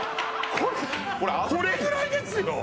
これこれぐらいですよ